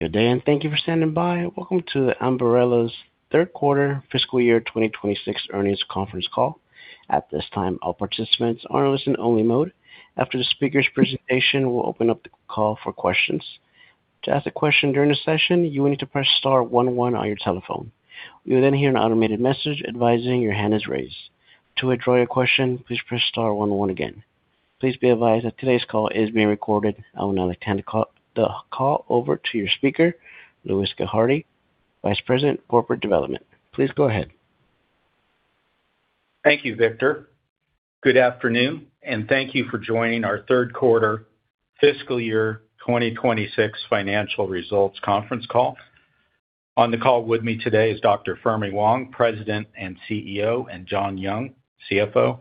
Good day, and thank you for standing by. Welcome to Ambarella's 3rd Quarter Fiscal Year 2026 Earnings Conference Call. At this time, all participants are in listen-only mode. After the speaker's presentation, we'll open up the call for questions. To ask a question during the session, you will need to press star one one on your telephone. You will then hear an automated message advising your hand is raised. To withdraw your question, please press star one one again. Please be advised that today's call is being recorded. I will now turn the call over to your speaker, Louis Gerhardy, Vice President, Corporate Development. Please go ahead. Thank you, Victor. Good afternoon, and thank you for joining our 3rd Quarter Fiscal Year 2026 Financial Results Conference Call. On the call with me today is Dr. Fermi Wang, President and CEO, and John Young, CFO.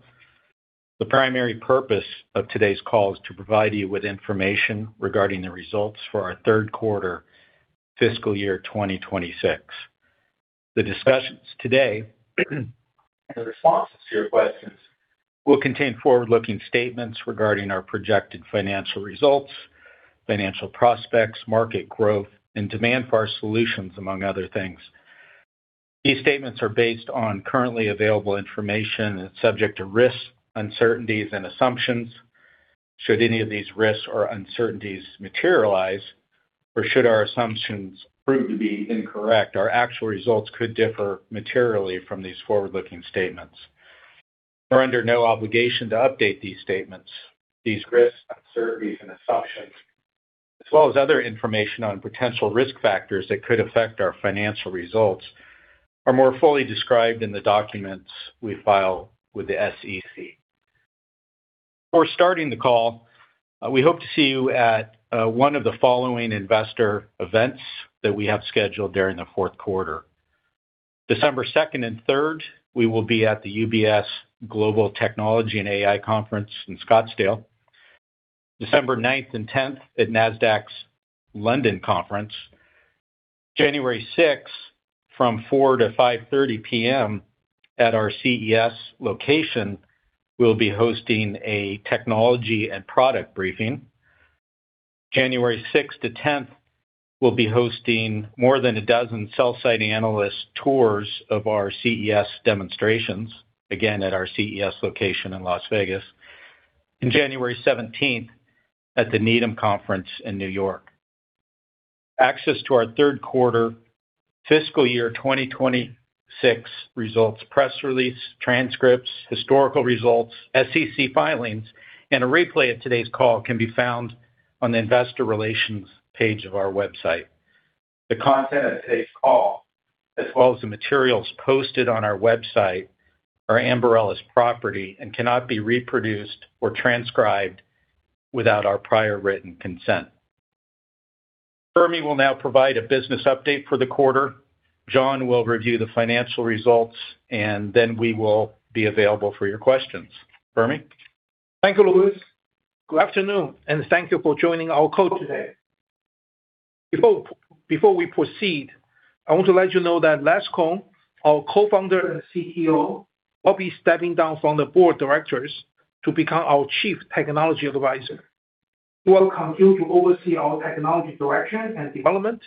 The primary purpose of today's call is to provide you with information regarding the results for our 3rd Quarter Fiscal Year 2026. The discussions today and the responses to your questions will contain forward-looking statements regarding our projected financial results, financial prospects, market growth, and demand for our solutions, among other things. These statements are based on currently available information and subject to risks, uncertainties, and assumptions. Should any of these risks or uncertainties materialize, or should our assumptions prove to be incorrect, our actual results could differ materially from these forward-looking statements. You are under no obligation to update these statements. These risks, uncertainties, and assumptions, as well as other information on potential risk factors that could affect our financial results, are more fully described in the documents we file with the SEC. Before starting the call, we hope to see you at one of the following investor events that we have scheduled during the 4th Quarter: December 2nd and 3rd, we will be at the UBS Global Technology and AI Conference in Scottsdale. December 9th and 10th at NASDAQ's London Conference. January 6th, from 4:00 to 5:30 P.M. at our CES location, we'll be hosting a technology and product briefing. January 6th to 10th, we'll be hosting more than a dozen sell-side analyst tours of our CES demonstrations, again at our CES location in Las Vegas. January 17th at the Needham Conference in New York. Access to our 3rd Quarter Fiscal Year 2026 results press release, transcripts, historical results, SEC filings, and a replay of today's call can be found on the investor relations page of our website. The content of today's call, as well as the materials posted on our website are Ambarella's property and cannot be reproduced or transcribed without our prior written consent. Fermi will now provide a business update for the quarter. John will review the financial results, and then we will be available for your questions. Fermi? Thank you, Louis. Good afternoon, and thank you for joining our call today. Before we proceed, I want to let you know that Les Kohn, our co-founder and CEO, will be stepping down from the board of directors to become our chief technology advisor. He will continue to oversee our technology direction and development,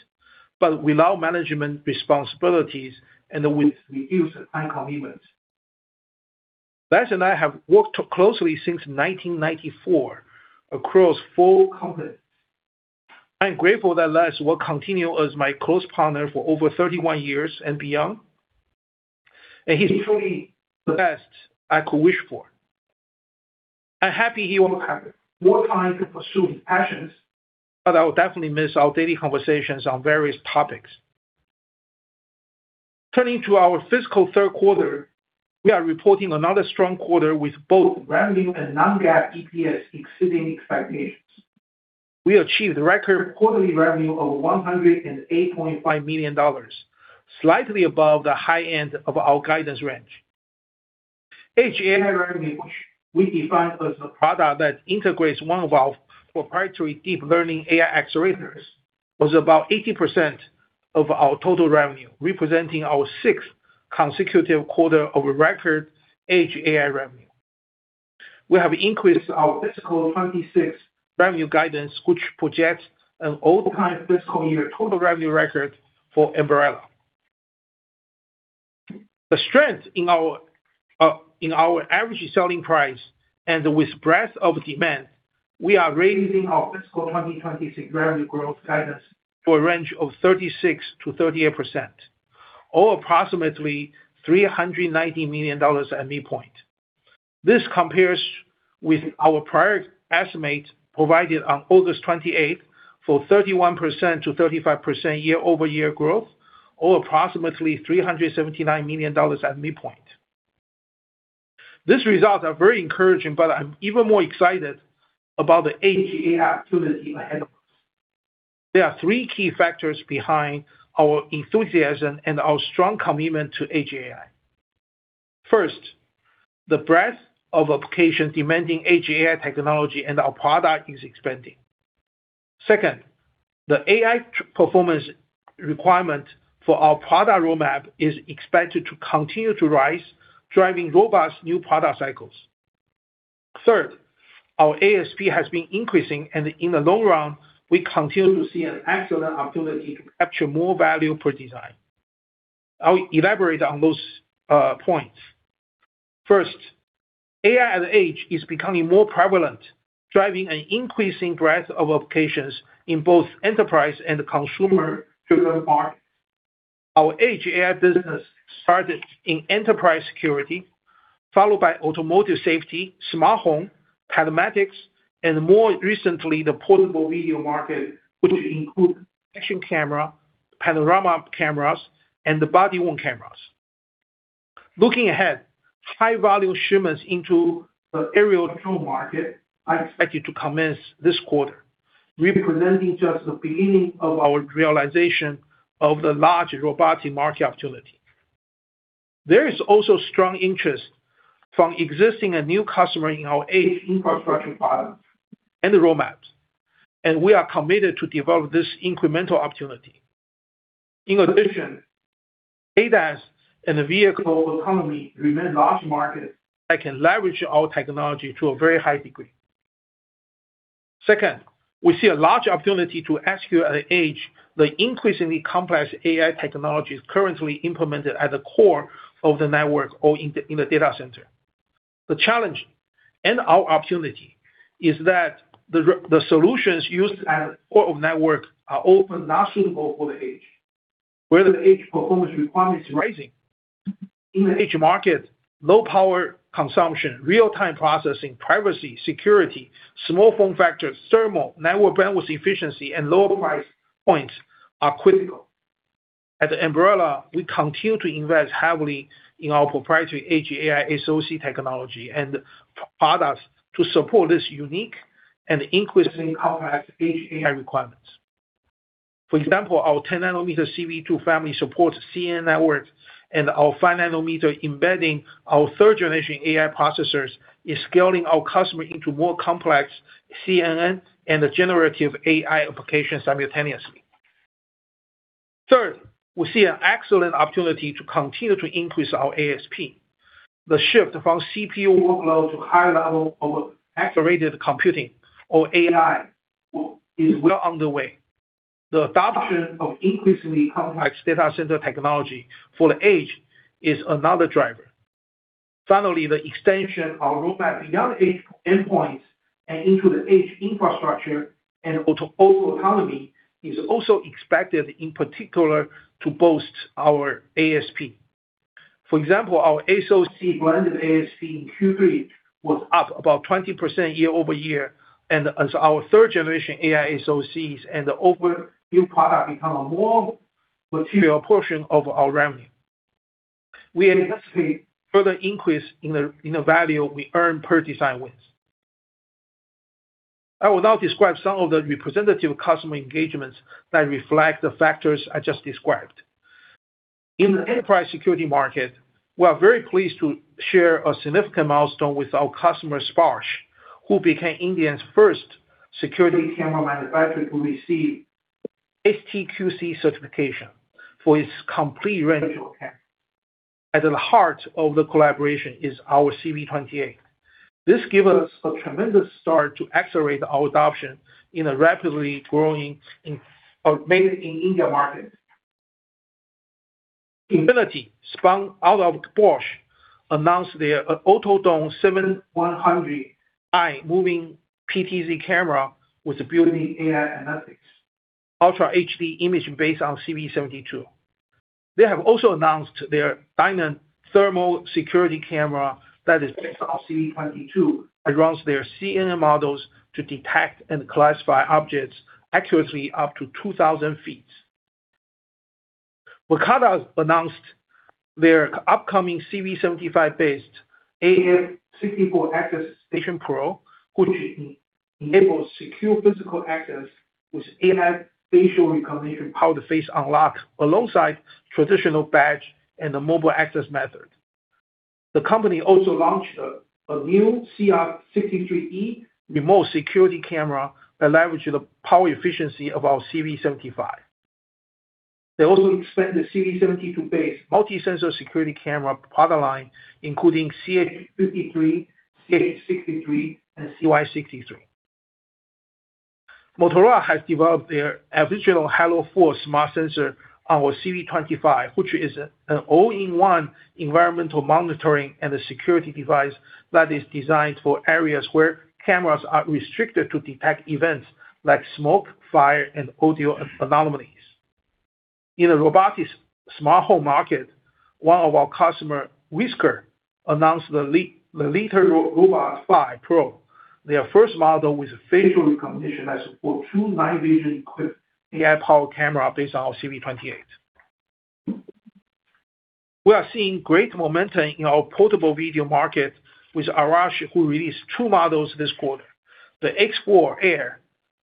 but without management responsibilities and with reduced time commitments. Les and I have worked closely since 1994 across four companies. I am grateful that Les will continue as my close partner for over 31 years and beyond, and he's truly the best I could wish for. I'm happy he will have more time to pursue his passions, but I will definitely miss our daily conversations on various topics. Turning to our fiscal third quarter, we are reporting another strong quarter with both revenue and non-GAAP EPS exceeding expectations. We achieved record quarterly revenue of $108.5 million, slightly above the high end of our guidance range. Edge AI revenue, which we define as a product that integrates one of our proprietary deep learning AI accelerators, was about 80% of our total revenue, representing our sixth consecutive quarter of record edge AI revenue. We have increased our Fiscal 2026 revenue guidance, which projects an all-time fiscal year total revenue record for Ambarella. The strength in our average selling price and the breadth of demand, we are raising our Fiscal 2026 revenue growth guidance to a range of 36% to 38%, or approximately $390 million at midpoint. This compares with our prior estimate provided on August 28th for 31% to 35% year-over-year growth, or approximately $379 million at midpoint. These results are very encouraging, but I'm even more excited about the Edge AI opportunity ahead of us. There are three key factors behind our enthusiasm and our strong commitment to Edge AI. First, the breadth of applications demanding Edge AI technology and our product is expanding. Second, the AI performance requirement for our product roadmap is expected to continue to rise, driving robust new product cycles. Third, our ASP has been increasing, and in the long run, we continue to see an excellent opportunity to capture more value per design. I'll elaborate on those points. First, AI at Edge is becoming more prevalent, driving an increasing breadth of applications in both enterprise and consumer-driven markets. Our Edge AI business started in enterprise security, followed by automotive safety, smart home, telematics, and more recently, the portable video market, which includes action cameras, panorama cameras, and the body-worn cameras. Looking ahead, high-value shipments into the aerial drone market are expected to commence this quarter, representing just the beginning of our realization of the large robotic market opportunity. There is also strong interest from existing and new customers in our Edge infrastructure products and the roadmaps, and we are committed to develop this incremental opportunity. In addition, ADAS and the vehicle autonomy remain large markets that can leverage our technology to a very high degree. Second, we see a large opportunity to execute at Edge the increasingly complex AI technologies currently implemented at the core of the network or in the data center. The challenge and our opportunity is that the solutions used at the core of the network are often not suitable for the Edge, where the Edge performance requirement is rising. In the Edge market, low power consumption, real-time processing, privacy, security, small form factors, thermal, network bandwidth efficiency, and lower price points are critical. At Ambarella, we continue to invest heavily in our proprietary Edge AI SoC technology and products to support this unique and increasingly complex Edge AI requirements. For example, our 10-nanometer CV2 family supports CNN networks, and our 5-nanometer embedding, our third-generation AI processors, is scaling our customer into more complex CNN and generative AI applications simultaneously. Third, we see an excellent opportunity to continue to increase our ASP. The shift from CPU workload to high-level of accelerated computing, or AI, is well underway. The adoption of increasingly complex data center technology for the Edge is another driver. Finally, the extension of roadmap beyond Edge endpoints and into the Edge infrastructure and auto autonomy is also expected, in particular, to boost our ASP. For example, our SoC blended ASP in Q3 was up about 20% year-over-year, and as our third-generation AI SoCs and the offered new product become a more material portion of our revenue. We anticipate further increase in the value we earn per design win. I will now describe some of the representative customer engagements that reflect the factors I just described. In the enterprise security market, we are very pleased to share a significant milestone with our customer, SPARSH, who became India's first security camera manufacturer to receive STQC certification for its complete range of cameras. At the heart of the collaboration is our CB28. This gives us a tremendous start to accelerate our adoption in a rapidly growing and mainly in India market. Infinity, spun out of Bosch, announced their Autodome 7100i moving PTZ camera with built-in AI analytics, ultra HD imaging based on CB72. They have also announced their Diamond thermal security camera that is based on CB22, which runs their CNN models to detect and classify objects accurately up to 2,000 ft. Workato announced their upcoming CB75-based AM64 Access Station Pro, which enables secure physical access with AI facial recognition powered face unlock alongside traditional badge and a mobile access method. The company also launched a new CR63E remote security camera that leverages the power efficiency of our CB75. They also expand the CB72-based multi-sensor security camera product line, including CH53, CH63, and CY63. Motorola has developed their Axial Halo 4 smart sensor on our CB25, which is an all-in-one environmental monitoring and a security device that is designed for areas where cameras are restricted to detect events like smoke, fire, and audio anomalies. In the robotics smart home market, one of our customers, Whisker, announced the Litter-Robot 5 Pro, their first model with facial recognition that supports true night vision equipped AI powered camera based on our CB28. We are seeing great momentum in our portable video market with Arash, who released two models this quarter. The X4 Air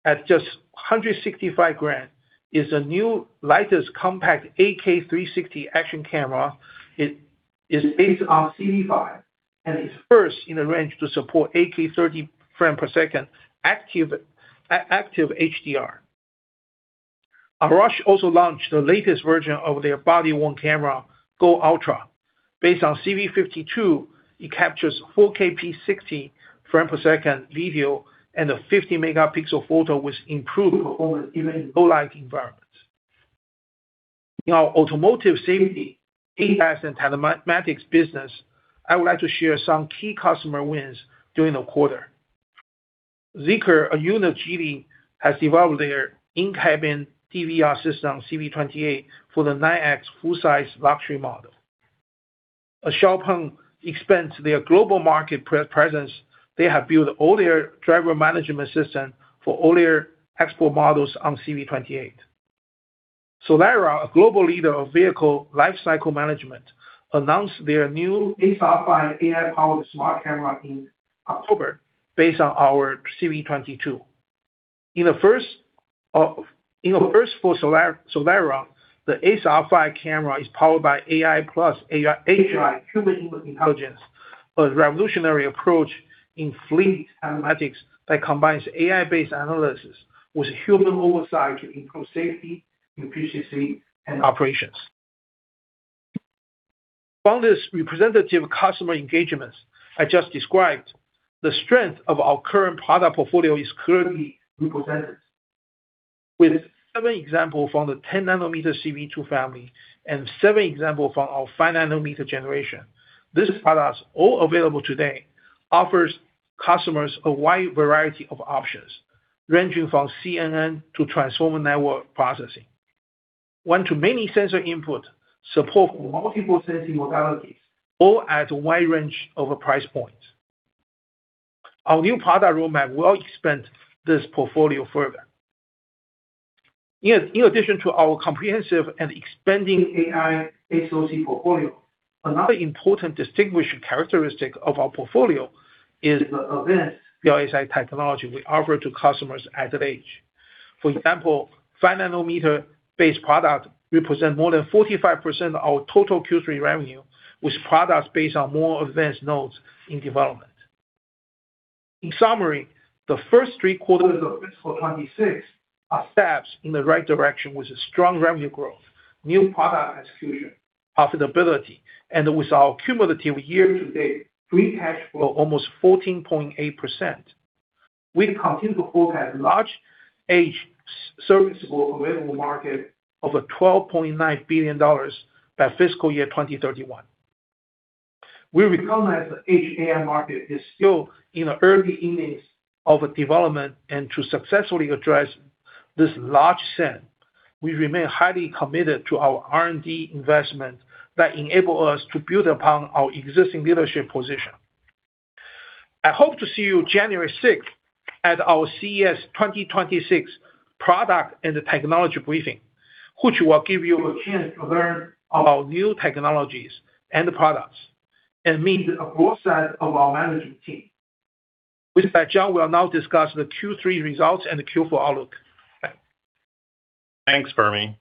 at just 165 g is the new lightest compact 8K 360 action camera. It is based on CB5 and is first in the range to support 8K 30 frames per second active HDR. Arash also launched the latest version of their body-worn camera, Go Ultra. Based on CB52, it captures 4K 60 frames per second video and a 50-megapixel photo with improved performance even in low-light environments. In our automotive safety, ADAS, and telematics business, I would like to share some key customer wins during the quarter. Zeekr, a unit of Geely, has developed their in-cabin DVR system, CB28, for the 9X full-size luxury model. At XPeng, expanding their global market presence, they have built all their driver management systems for all their export models on CB28. Solera, a global leader of vehicle lifecycle management, announced their new ASAR 5 AI-powered smart camera in October based on our CB22. In a first for Solera, the ASAR 5 camera is powered by AI plus AI human intelligence, a revolutionary approach in fleet telematics that combines AI-based analysis with human oversight to improve safety, efficiency, and operations. From these representative customer engagements I just described, the strength of our current product portfolio is clearly represented. With seven examples from the 10-nanometer CV2 family and seven examples from our 5-nanometer generation, these products, all available today, offer customers a wide variety of options ranging from CNN to transformer network processing, one-to-many sensor input, support for multiple sensing modalities, all at a wide range of price points. Our new product roadmap will expand this portfolio further. In addition to our comprehensive and expanding AI SoC portfolio, another important distinguishing characteristic of our portfolio is the advanced BISI technology we offer to customers at edge. For example, 5-nanometer-based products represent more than 45% of our total Q3 revenue, with products based on more advanced nodes in development. In summary, the first three quarters of Fiscal 2026 are steps in the right direction with strong revenue growth, new product execution, profitability, and with our cumulative year-to-date free cash flow of almost 14.8%. We continue to forecast a large Edge serviceable available market of $12.9 billion by Fiscal Year 2031. We recognize the Edge AI market is still in the early innings of development, and to successfully address this large set, we remain highly committed to our R&D investments that enable us to build upon our existing leadership position. I hope to see you January 6th at our CES 2026 product and technology briefing, which will give you a chance to learn about new technologies and products and meet a broad set of our management team. With that, John, we'll now discuss the Q3 results and the Q4 outlook. Thanks, Fermi.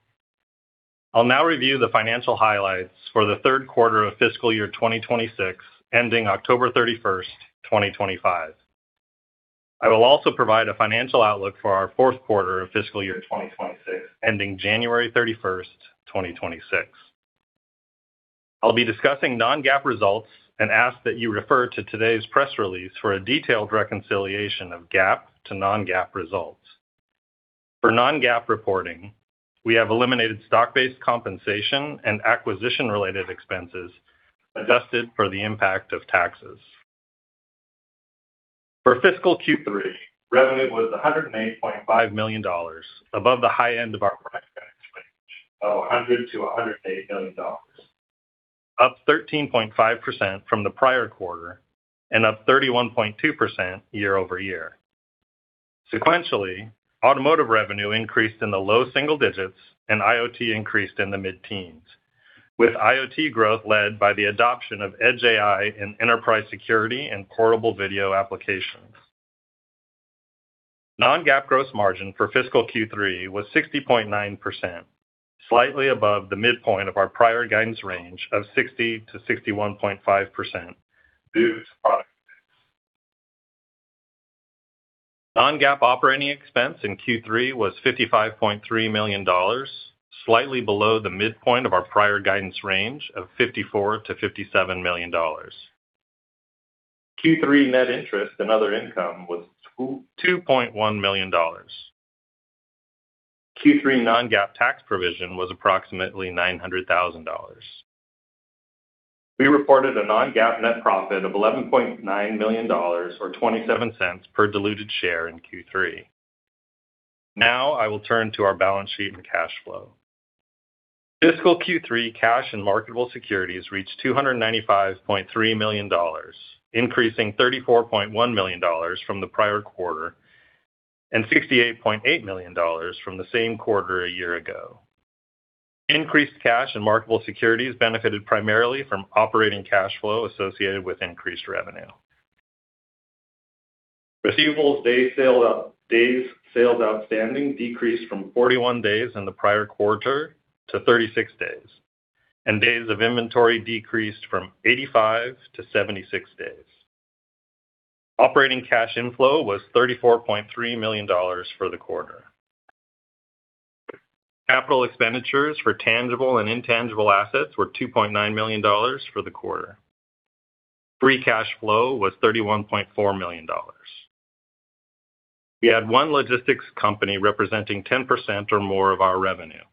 I'll now review the financial highlights for the 3rd Quarter of Fiscal Year 2026 ending October 31st, 2025. I will also provide a financial outlook for our 4th Quarter of Fiscal Year 2026 ending January 31st, 2026. I'll be discussing non-GAAP results and ask that you refer to today's press release for a detailed reconciliation of GAAP to non-GAAP results. For non-GAAP reporting, we have eliminated stock-based compensation and acquisition-related expenses adjusted for the impact of taxes. For Fiscal Q3, revenue was $108.5 million, above the high end of our prior financial range of $100 to $108 million, up 13.5% from the prior quarter and up 31.2% year-over-year. Sequentially, automotive revenue increased in the low single digits, and IoT increased in the mid-teens, with IoT growth led by the adoption of edge AI in enterprise security and portable video applications. Non-GAAP gross margin for Fiscal Q3 was 60.9%, slightly above the midpoint of our prior guidance range of 60% to 61.5% due to product spend. Non-GAAP operating expense in Q3 was $55.3 million, slightly below the midpoint of our prior guidance range of $54 to $57 million. Q3 net interest and other income was $2.1 million. Q3 non-GAAP tax provision was approximately $900,000. We reported a non-GAAP net profit of $11.9 million, or $0.27 per diluted share in Q3. Now, I will turn to our balance sheet and cash flow. Fiscal Q3 cash and marketable securities reached $295.3 million, increasing $34.1 million from the prior quarter and $68.8 million from the same quarter a year ago. Increased cash and marketable securities benefited primarily from operating cash flow associated with increased revenue. Receivables days sales outstanding decreased from 41 days in the prior quarter to 36 days, and days of inventory decreased from 85 to 76 days. Operating cash inflow was $34.3 million for the quarter. Capital expenditures for tangible and intangible assets were $2.9 million for the quarter. Free cash flow was $31.4 million. We had one logistics company representing 10% or more of our revenue,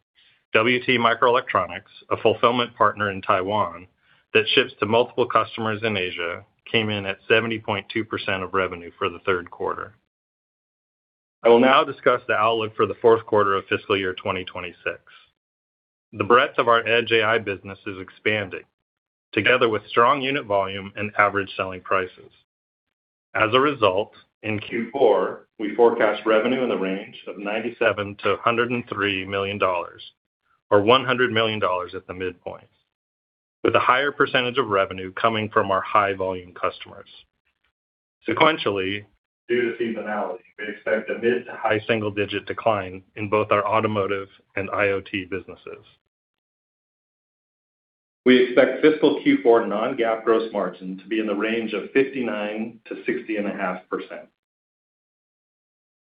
WT Microelectronics, a fulfillment partner in Taiwan that ships to multiple customers in Asia, came in at 70.2% of revenue for the third quarter. I will now discuss the outlook for the 4th Quarter of Fiscal Year 2026. The breadth of our Edge AI business is expanding, together with strong unit volume and average selling prices. As a result, in Q4, we forecast revenue in the range of $97 to $103 million, or $100 million at the midpoint, with a higher percentage of revenue coming from our high-volume customers. Sequentially, due to seasonality, we expect a mid to high single-digit decline in both our automotive and IoT businesses. We expect Fiscal Q4 non-GAAP gross margin to be in the range of 59% to 60.5%.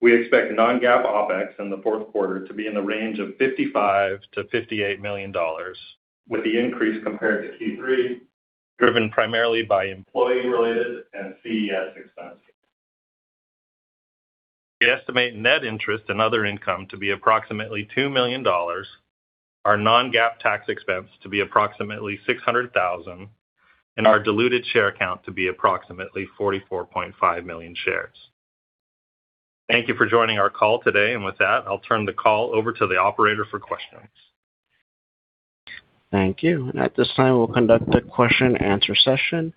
We expect non-GAAP OPEX in the fourth quarter to be in the range of $55 to $58 million, with the increase compared to Q3 driven primarily by employee-related and CES expenses. We estimate net interest and other income to be approximately $2 million, our non-GAAP tax expense to be approximately $600,000, and our diluted share count to be approximately 44.5 million shares. Thank you for joining our call today. With that, I'll turn the call over to the operator for questions. Thank you. At this time, we'll conduct the question and answer session.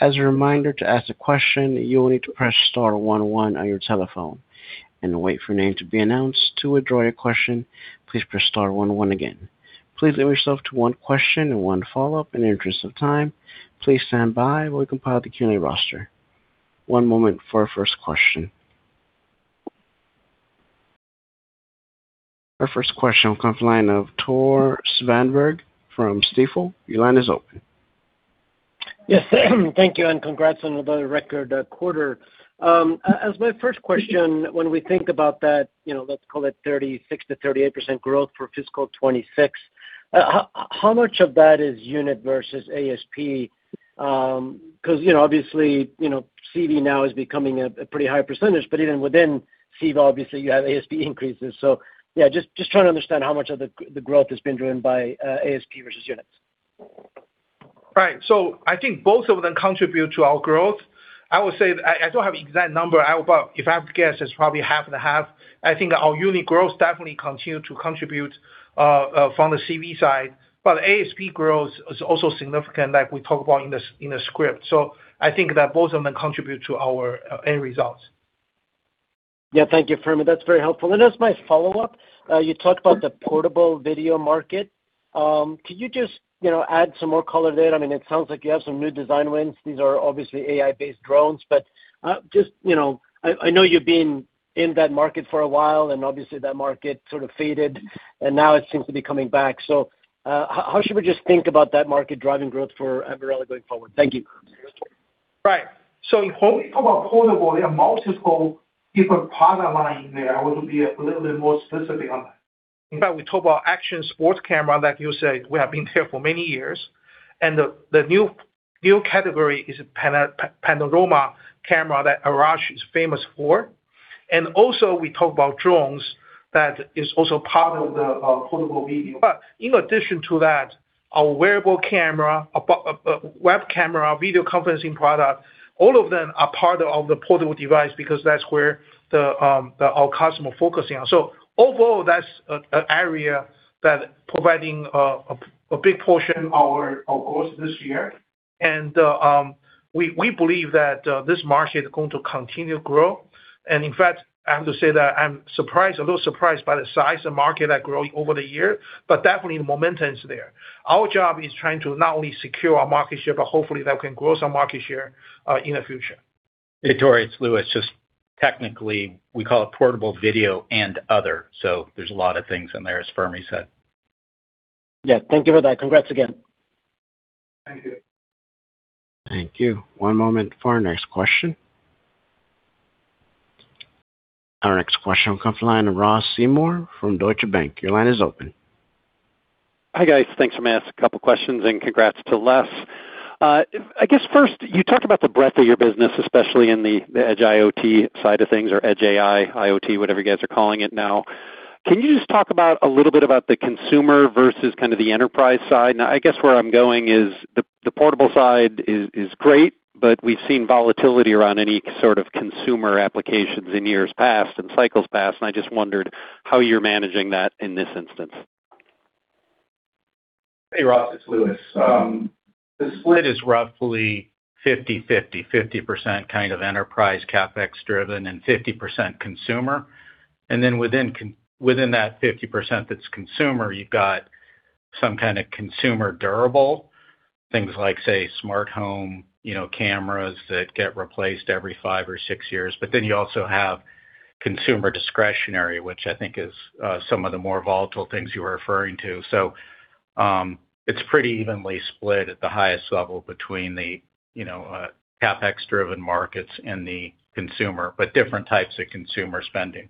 As a reminder, to ask a question, you will need to press star one one on your telephone and wait for your name to be announced. To withdraw your question, please press star one one again. Please limit yourself to one question and one follow-up in the interest of time. Please stand by while we compile the Q&A roster. One moment for our first question. Our first question will come from the line of Tore Svanberg from Stifel. Your line is open. Yes. Thank you. And congrats on the record quarter. As my first question, when we think about that, let's call it 36% to 38% growth for fiscal 2026, how much of that is unit versus ASP? Because obviously, CV now is becoming a pretty high percentage, but even within CV, obviously, you have ASP increases. Yeah, just trying to understand how much of the growth has been driven by ASP versus units. Right. I think both of them contribute to our growth. I will say I don't have an exact number, but if I have to guess, it's probably half and a half. I think our unit growth definitely continues to contribute from the CV side, but ASP growth is also significant, like we talked about in the script. I think that both of them contribute to our end results. Yeah. Thank you, Fermi. That's very helpful. As my follow-up, you talked about the portable video market. Could you just add some more color there? I mean, it sounds like you have some new design wins. These are obviously AI-based drones, but just I know you've been in that market for a while, and obviously, that market sort of faded, and now it seems to be coming back. How should we just think about that market driving growth for Ambarella going forward? Thank you. Right. When we talk about portable, there are multiple different product lines in there. I want to be a little bit more specific on that. In fact, we talked about action sports camera, like you said, we have been there for many years. The new category is a panorama camera that Arash is famous for. Also, we talked about drones that is also part of the portable video. In addition to that, our wearable camera, web camera, video conferencing product, all of them are part of the portable device because that's where our customers are focusing on. Overall, that's an area that is providing a big portion of our growth this year. We believe that this market is going to continue to grow. In fact, I have to say that I'm a little surprised by the size of the market that's growing over the year, but definitely, the momentum is there. Our job is trying to not only secure our market share, but hopefully, that can grow some market share in the future. Hey, Tore, it's Louis. It's just technically, we call it portable video and other. There are a lot of things in there, as Fermi said. Yeah. Thank you for that. Congrats again. Thank you. One moment for our next question. Our next question will come from the line of Ross Seymore from Deutsche Bank. Your line is open. Hi, guys. Thanks for asking a couple of questions, and congrats to Les. I guess first, you talked about the breadth of your business, especially in the Edge IoT side of things or Edge AI, IoT, whatever you guys are calling it now. Can you just talk a little bit about the consumer versus kind of the enterprise side? Now, I guess where I'm going is the portable side is great, but we've seen volatility around any sort of consumer applications in years past and cycles past. I just wondered how you're managing that in this instance. Hey, Ross. It's Louis. The split is roughly 50/50, 50% kind of enterprise CapEx-driven and 50% consumer. Within that 50% that's consumer, you've got some kind of consumer durable, things like, say, smart home cameras that get replaced every five or six years. But then you also have consumer discretionary, which I think is some of the more volatile things you were referring to. It is pretty evenly split at the highest level between the CapEx-driven markets and the consumer, but different types of consumer spending.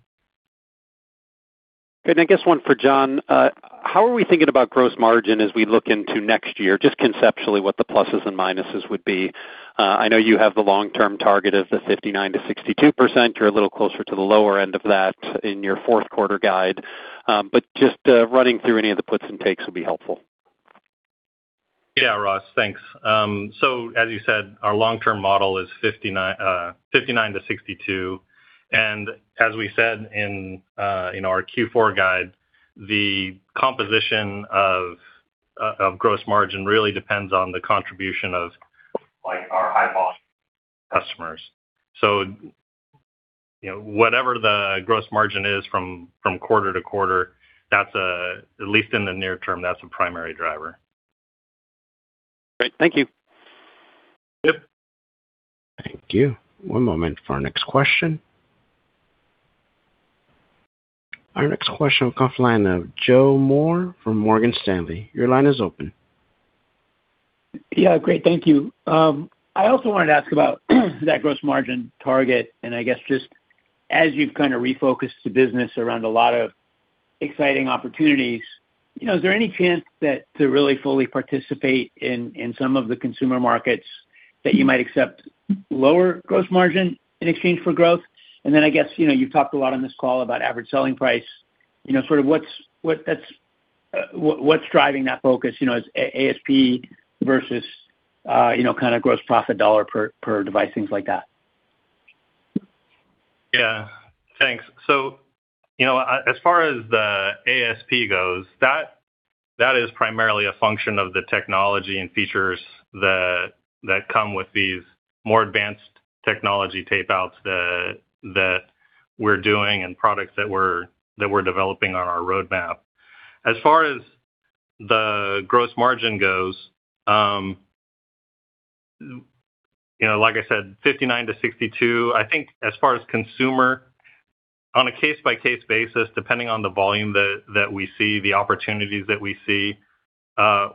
I guess one for John. How are we thinking about gross margin as we look into next year, just conceptually, what the pluses and minuses would be? I know you have the long-term target of the 59% to 62%. You are a little closer to the lower end of that in your fourth quarter guide. Just running through any of the puts and takes would be helpful. Yeah, Ross. Thanks. As you said, our long-term model is 59% to 62%. As we said in our Q4 guide, the composition of gross margin really depends on the contribution of our high-volume customers. Whatever the gross margin is from quarter to quarter, at least in the near term, that's a primary driver. Great. Thank you. Yep. Thank you. One moment for our next question. Our next question will come from the line of Joe Moore from Morgan Stanley. Your line is open. Yeah. Great. Thank you. I also wanted to ask about that gross margin target. I guess just as you've kind of refocused the business around a lot of exciting opportunities, is there any chance to really fully participate in some of the consumer markets that you might accept lower gross margin in exchange for growth? I guess you've talked a lot on this call about average selling price. Sort of what's driving that focus is ASP versus kind of gross profit dollar per device, things like that. Yeah. Thanks. As far as the ASP goes, that is primarily a function of the technology and features that come with these more advanced technology tape-outs that we're doing and products that we're developing on our roadmap. As far as the gross margin goes, like I said, 59% to 62%, I think as far as consumer, on a case-by-case basis, depending on the volume that we see, the opportunities that we see,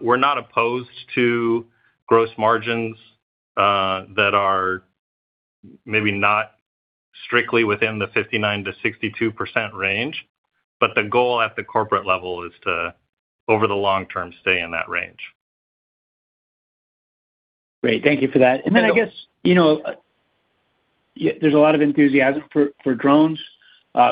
we're not opposed to gross margins that are maybe not strictly within the 59% to 62% range. The goal at the corporate level is to, over the long term, stay in that range. Great. Thank you for that. I guess there's a lot of enthusiasm for drones,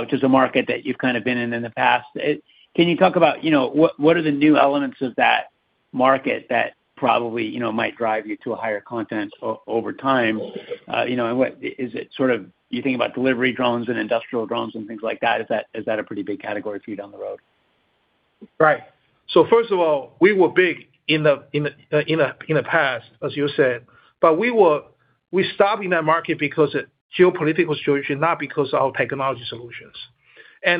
which is a market that you've kind of been in in the past. Can you talk about what are the new elements of that market that probably might drive you to a higher content over time? Is it sort of you think about delivery drones and industrial drones and things like that? Is that a pretty big category for you down the road? Right. First of all, we were big in the past, as you said, but we stopped in that market because of geopolitical situation, not because of our technology solutions.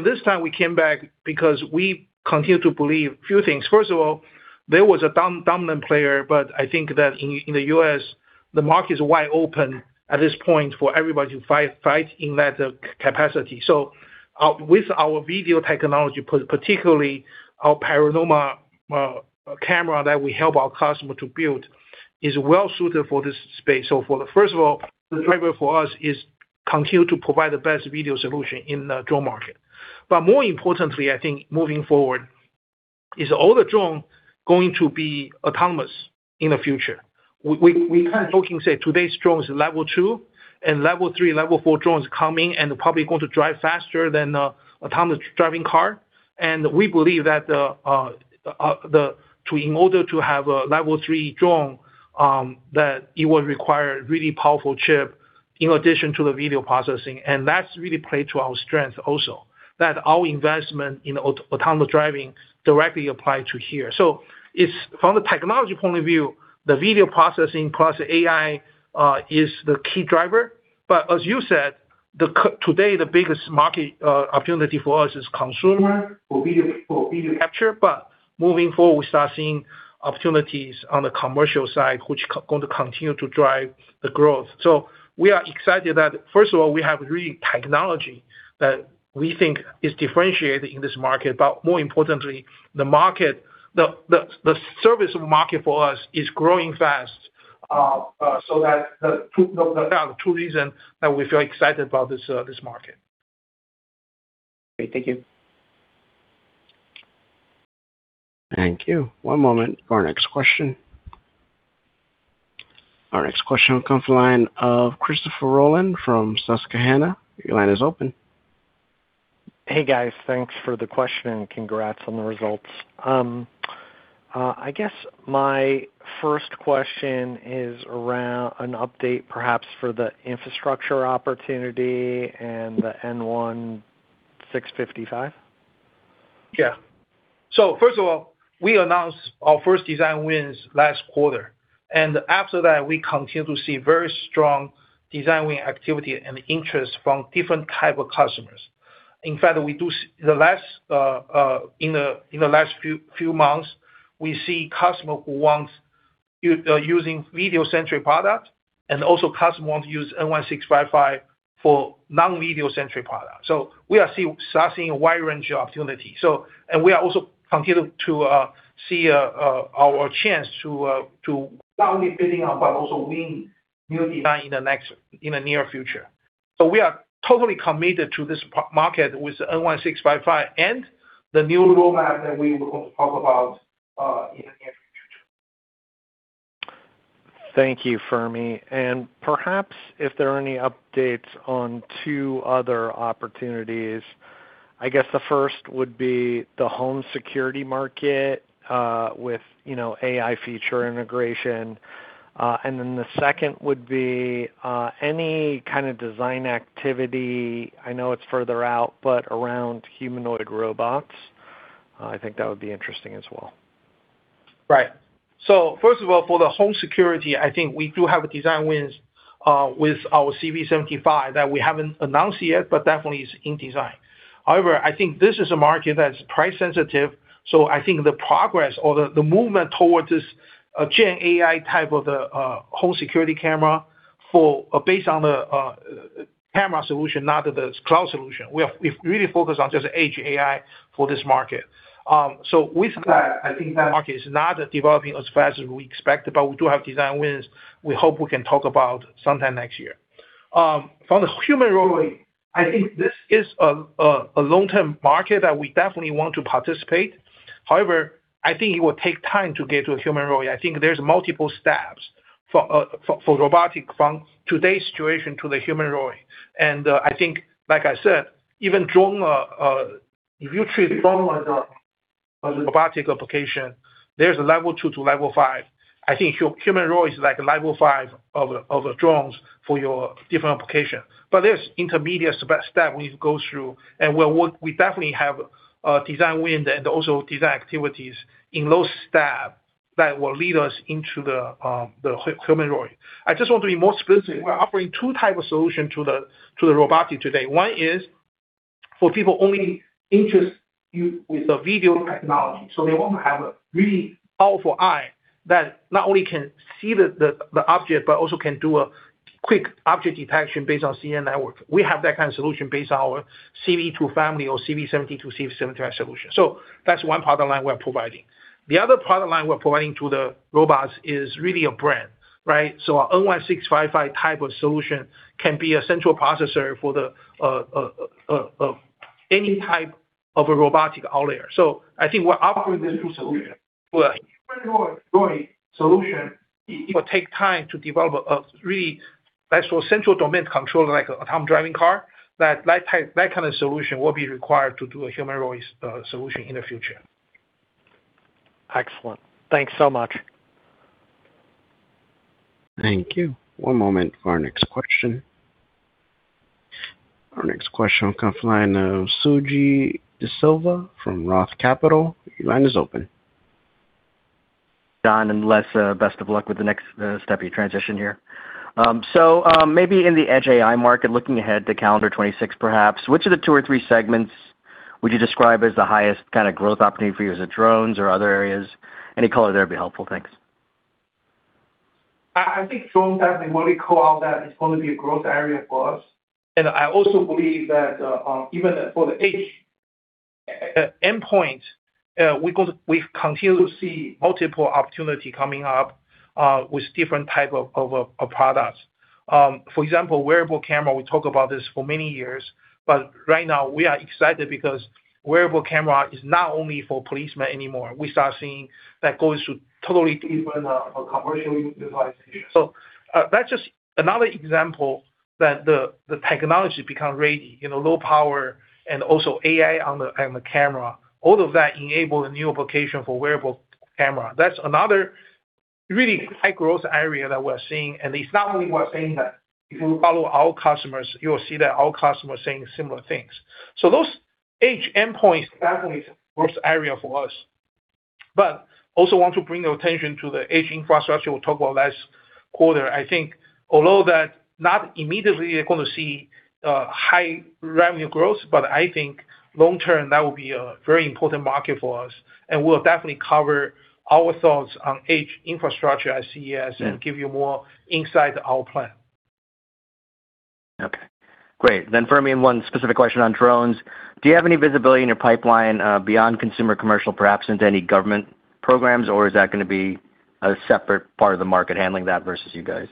This time, we came back because we continue to believe a few things. First of all, there was a dominant player, but I think that in the U.S., the market is wide open at this point for everybody to fight in that capacity. With our video technology, particularly our Paranoma camera that we help our customers to build, it is well suited for this space. First of all, the driver for us is continuing to provide the best video solution in the drone market. More importantly, I think moving forward, is all the drones going to be autonomous in the future? We kind of talking, say, today's drones are level two, and level three, level four drones come in and are probably going to drive faster than an autonomous driving car. We believe that in order to have a level three drone, that it will require a really powerful chip in addition to the video processing. That's really played to our strength also, that our investment in autonomous driving directly applies to here. From the technology point of view, the video processing plus AI is the key driver. As you said, today, the biggest market opportunity for us is consumer for video capture. Moving forward, we start seeing opportunities on the commercial side, which are going to continue to drive the growth. We are excited that, first of all, we have really technology that we think is differentiated in this market. More importantly, the service market for us is growing fast. That is the two reasons that we feel excited about this market. Great. Thank you. Thank you. One moment for our next question. Our next question will come from the line of Christopher Rolland from Susquehanna. Your line is open. Hey, guys. Thanks for the question. Congrats on the results. I guess my first question is around an update, perhaps, for the infrastructure opportunity and the N1655. Yeah. First of all, we announced our first design wins last quarter. After that, we continue to see very strong design win activity and interest from different types of customers. In fact, in the last few months, we see customers who want using video-centric products and also customers who want to use N1655 for non-video-centric products. We are starting a wide range of opportunities. We are also continuing to see our chance to not only build up, but also win new designs in the near future. We are totally committed to this market with N1655 and the new roadmap that we were going to talk about in the near future. Thank you, Fermi. Perhaps if there are any updates on two other opportunities, I guess the first would be the home security market with AI feature integration. The second would be any kind of design activity. I know it's further out, but around humanoid robots. I think that would be interesting as well. Right. First of all, for the home security, I think we do have design wins with our CV75 that we haven't announced yet, but definitely is in design. However, I think this is a market that's price-sensitive. I think the progress or the movement towards this Gen AI type of the home security camera based on the camera solution, not the cloud solution. We've really focused on just Edge AI for this market. With that, I think that market is not developing as fast as we expect, but we do have design wins. We hope we can talk about sometime next year. From the humanoid, I think this is a long-term market that we definitely want to participate. However, I think it will take time to get to a humanoid. I think there's multiple steps for robotics from today's situation to the humanoid. I think, like I said, even drone, if you treat drone as a robotic application, there's a level two to level five. I think humanoid is like level five of drones for your different application. There is an intermediate step we go through. We definitely have design wins and also design activities in those steps that will lead us into the humanoid. I just want to be more specific. We're offering two types of solutions to the robotics today. One is for people only interested with the video technology. They want to have a really powerful eye that not only can see the object, but also can do a quick object detection based on CNN network. We have that kind of solution based on our CV2 family or CV72, CV73 solution. That's one product line we're providing. The other product line we're providing to the robots is really a brand, right? Our N1655 type of solution can be a central processor for any type of a robotic outlayer. I think we're offering these two solutions. For a humanoid solution, it will take time to develop a really central domain controller like an autonomous driving car. That kind of solution will be required to do a humanoid solution in the future. Excellent. Thanks so much. Thank you. One moment for our next question. Our next question will come from the line of Suji de Silva from Roth Capital. Your line is open. John and Les, best of luck with the next step of your transition here. Maybe in the Edge AI market, looking ahead to calendar 2026, perhaps, which of the two or three segments would you describe as the highest kind of growth opportunity for you as a drones or other areas? Any color there would be helpful. Thanks. I think drones definitely, what we call that, is going to be a growth area for us. I also believe that even for the Edge endpoint, we continue to see multiple opportunities coming up with different types of products. For example, wearable camera, we talk about this for many years. Right now, we are excited because wearable camera is not only for policemen anymore. We start seeing that goes to totally different commercial utilization. That is just another example that the technology becomes ready. Low power and also AI on the camera, all of that enables a new application for wearable camera. That's another really high growth area that we're seeing. It's not only we're saying that, if you follow our customers, you'll see that our customers are saying similar things. Those Edge endpoints definitely are a growth area for us. I also want to bring the attention to the Edge infrastructure we talked about last quarter. I think although that not immediately you're going to see high revenue growth, I think long term, that will be a very important market for us. We'll definitely cover our thoughts on edge infrastructure at CES and give you more insight on our plan. Okay. Great. Fermi, one specific question on drones. Do you have any visibility in your pipeline beyond consumer commercial, perhaps into any government programs, or is that going to be a separate part of the market handling that versus you guys?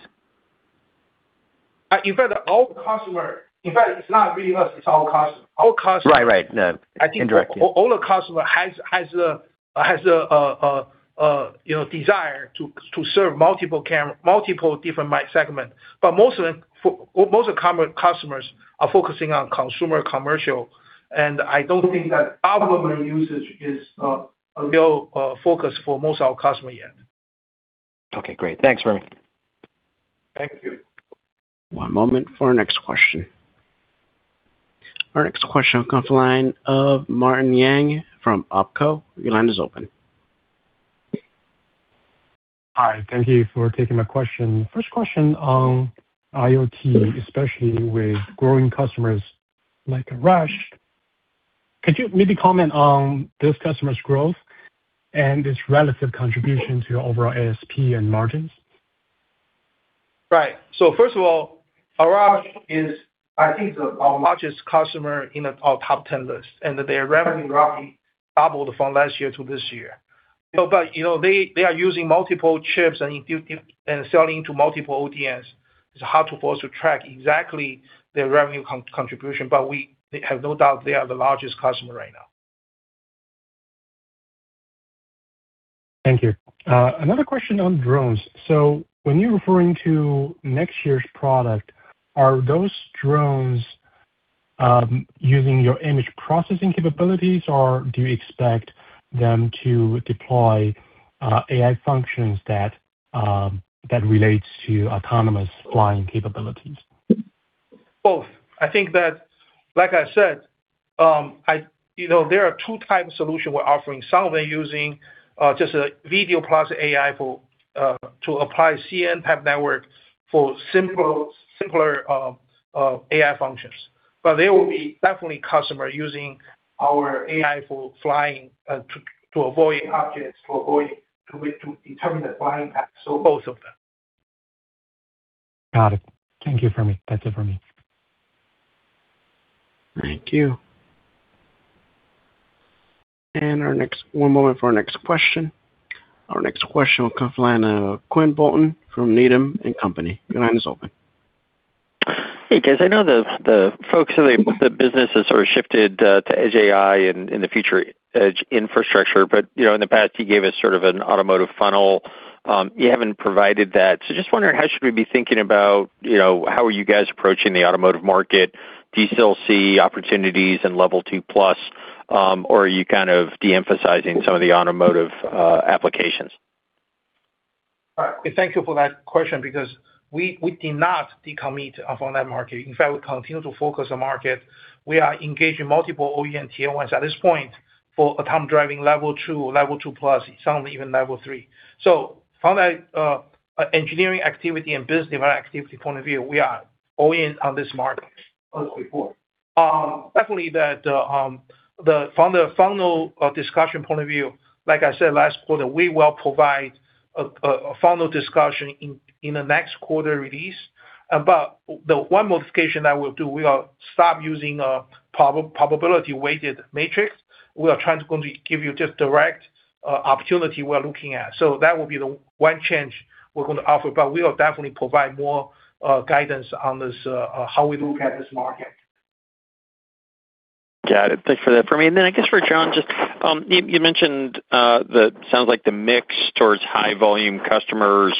In fact, all customers, in fact, it's not really us. It's all customers. All customers. Right, right I think all the customers have the desire to serve multiple different segments. Most customers are focusing on consumer commercial. I don't think that government usage is a real focus for most of our customers yet. Okay. Great. Thanks, Fermi. Thank you. One moment for our next question. Our next question will come from the line of Martin Yang from OpCo. Your line is open. Hi. Thank you for taking my question. First question on IoT, especially with growing customers like Arash. Could you maybe comment on this customer's growth and its relative contribution to your overall ASP and margins? Right. First of all, Arash is, I think, the largest customer in our top 10 list. Their revenue roughly doubled from last year to this year. They are using multiple chips and selling to multiple ODNs. It's hard for us to track exactly their revenue contribution, but we have no doubt they are the largest customer right now. Thank you. Another question on drones. When you're referring to next year's product, are those drones using your image processing capabilities, or do you expect them to deploy AI functions that relate to autonomous flying capabilities? Both. I think that, like I said, there are two types of solutions we're offering. Some of them using just a video plus AI to apply CNN type network for simpler AI functions. There will definitely be customers using our AI for flying to avoid objects, to determine the flying path. Both of them. Got it. Thank you, Fermi. That's it for me. Thank you. One moment for our next question. Our next question will come from the line of Quinn Bolton from Needham & Company. Your line is open. Hey, guys. I know the focus of the business has sort of shifted to Edge AI and the future Edge infrastructure. In the past, you gave us sort of an automotive funnel. You have not provided that. Just wondering, how should we be thinking about how are you guys approaching the automotive market? Do you still see opportunities in level two plus, or are you kind of de-emphasizing some of the automotive applications? Okay. Thank you for that question because we did not de-commit from that market. In fact, we continue to focus on the market. We are engaging multiple OEM Tier 1s at this point for autonomous driving level two, level two plus, some even level three. From that engineering activity and business development activity point of view, we are oriented on this market. Definitely that from the funnel discussion point of view, like I said, last quarter, we will provide a funnel discussion in the next quarter release. The one modification that we'll do, we will stop using a probability-weighted matrix. We are trying to give you just direct opportunity we're looking at. That will be the one change we're going to offer. We will definitely provide more guidance on how we look at this market. Got it. Thanks for that, Fermi. I guess for John, just you mentioned that it sounds like the mix towards high-volume customers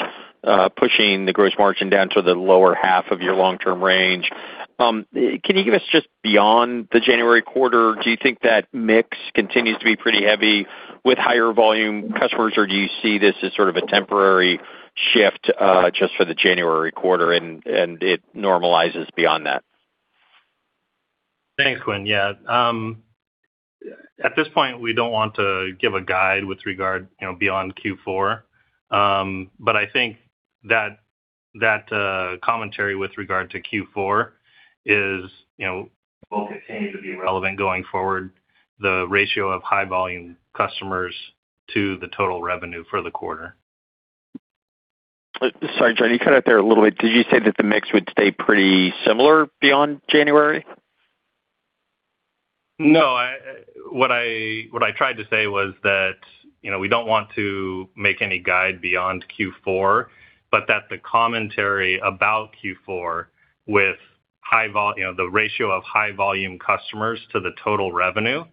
pushing the gross margin down to the lower half of your long-term range. Can you give us just beyond the January quarter? Do you think that mix continues to be pretty heavy with higher volume customers, or do you see this as sort of a temporary shift just for the January quarter and it normalizes beyond that? Thanks, Quinn. Yeah. At this point, we do not want to give a guide with regard beyond Q4. I think that commentary with regard to Q4 will continue to be relevant going forward, the ratio of high-volume customers to the total revenue for the quarter. Sorry, John. You cut out there a little bit. Did you say that the mix would stay pretty similar beyond January? No. What I tried to say was that we do not want to make any guide beyond Q4, but that the commentary about Q4 with the ratio of high-volume customers to the total revenue,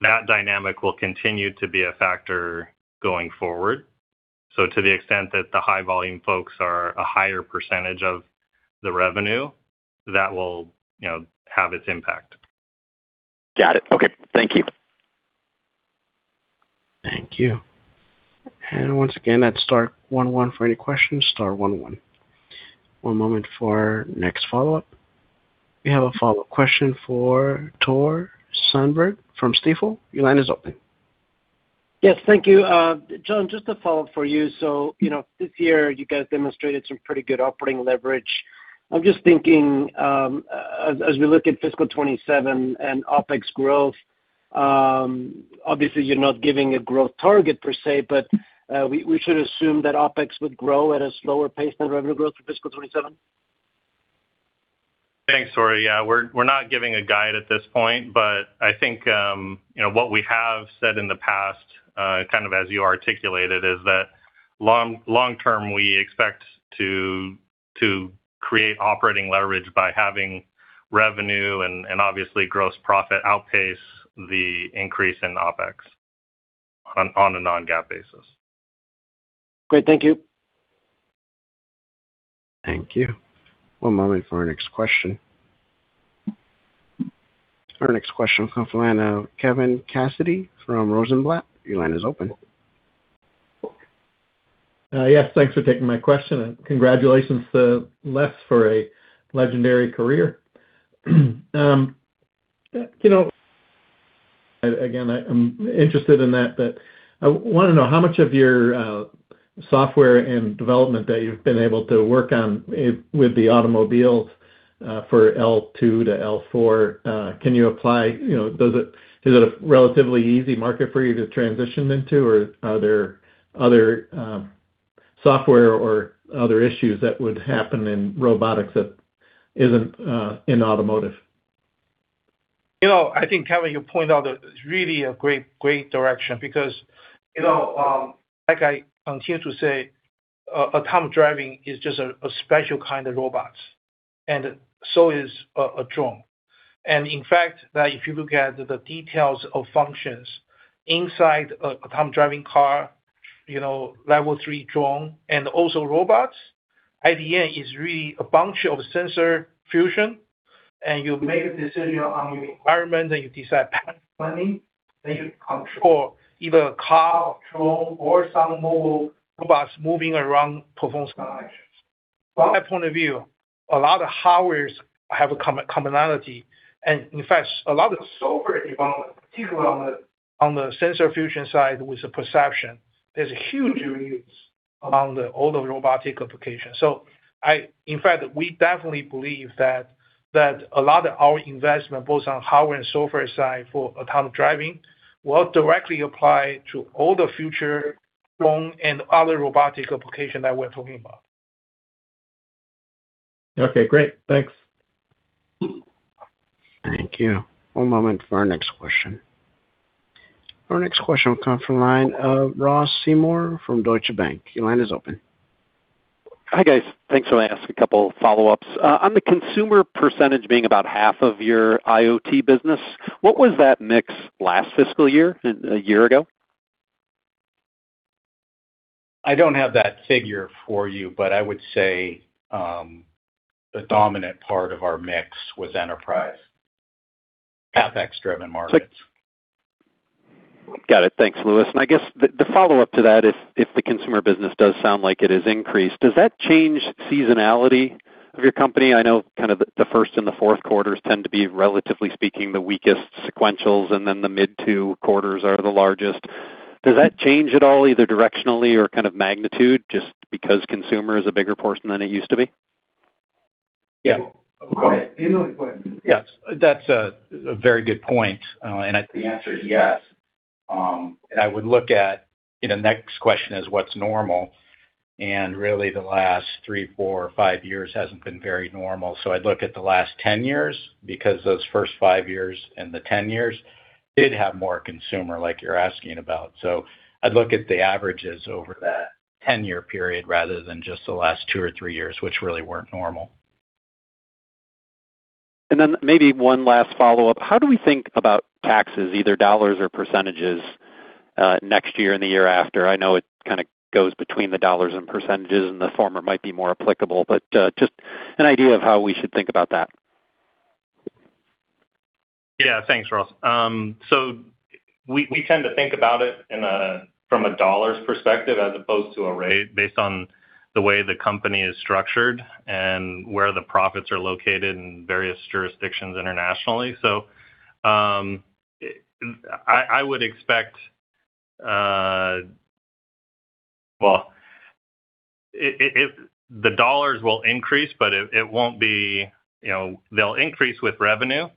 that dynamic will continue to be a factor going forward. To the extent that the high-volume folks are a higher percentage of the revenue, that will have its impact. Got it. Okay. Thank you. Thank you. Once again, that's star one one for any questions, star one one. One moment for next follow-up. We have a follow-up question for Tore Svanberg from Stifel. Your line is open. Yes. Thank you. John, just a follow-up for you. This year, you guys demonstrated some pretty good operating leverage. I'm just thinking as we look at Fiscal 2027 and OPEX growth, obviously, you're not giving a growth target per se, but we should assume that OPEX would grow at a slower pace than revenue growth for fiscal 2027? Thanks, Tore. Yeah. We're not giving a guide at this point, but I think what we have said in the past, kind of as you articulated, is that long term, we expect to create operating leverage by having revenue and obviously gross profit outpace the increase in OPEX on a non-GAAP basis. Great. Thank you. Thank you. One moment for our next question. Our next question will come from Kevin Cassidy from Rosenblatt. Your line is open. Yes. Thanks for taking my question. And congratulations to Les for a legendary career. Again, I'm interested in that, but I want to know how much of your software and development that you've been able to work on with the automobiles for L2 to L4, can you apply? Is it a relatively easy market for you to transition into, or are there other software or other issues that would happen in robotics that isn't in automotive? I think, Kevin, you point out that it's really a great direction because, like I continue to say, autonomous driving is just a special kind of robots. And so is a drone. In fact, if you look at the details of functions inside an autonomous driving car, level three drone, and also robots, at the end, it's really a bunch of sensor fusion. You make a decision on your environment, and you decide pattern planning, then you control either a car or drone or some mobile robots moving around performance connections. From that point of view, a lot of hardware have a commonality. In fact, a lot of software development, particularly on the sensor fusion side with the perception, there's a huge reuse on all the robotic applications. In fact, we definitely believe that a lot of our investment, both on hardware and software side for autonomous driving, will directly apply to all the future drone and other robotic applications that we're talking about. Okay. Great. Thanks. Thank you. One moment for our next question. Our next question will come from the line of Ross Seymour from Deutsche Bank. Your line is open. Hi guys. Thanks for asking a couple of follow-ups. On the consumer percentage being about half of your IoT business, what was that mix last fiscal year and a year ago? I don't have that figure for you, but I would say a dominant part of our mix was enterprise, CapEx-driven markets. Got it. Thanks, Louis. I guess the follow-up to that, if the consumer business does sound like it has increased, does that change seasonality of your company? I know kind of the first and the fourth quarters tend to be, relatively speaking, the weakest sequentials, and then the mid two quarters are the largest. Does that change at all, either directionally or kind of magnitude, just because consumer is a bigger portion than it used to be? Yeah. Go ahead. Yes. That's a very good point. And the answer is yes. I would look at the next question is what's normal. Really, the last three, four, or five years hasn't been very normal. I would look at the last 10 years because those first five years and the 10 years did have more consumer like you're asking about. I would look at the averages over that 10-year period rather than just the last two or three years, which really weren't normal. Maybe one last follow-up. How do we think about taxes, either dollars or percentages, next year and the year after? I know it kind of goes between the dollars and percentages, and the former might be more applicable, but just an idea of how we should think about that. Yeah. Thanks, Ross. We tend to think about it from a dollars perspective as opposed to a rate based on the way the company is structured and where the profits are located in various jurisdictions internationally. I would expect the dollars will increase, but they will increase with revenue,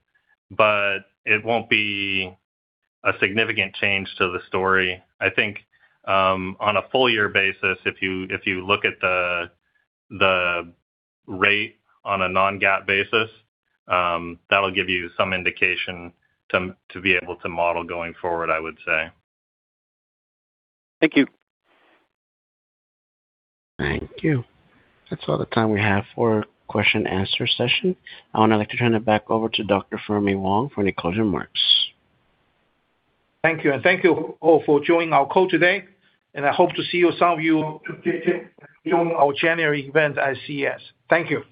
but it will not be a significant change to the story. I think on a full-year basis, if you look at the rate on a non-GAAP basis, that will give you some indication to be able to model going forward, I would say. Thank you. Thank you. That's all the time we have for question-and-answer session. I want to like to turn it back over to Dr. Fermi Wang for any closing remarks. Thank you. Thank you all for joining our call today. I hope to see some of you join our January event at CES. Thank you.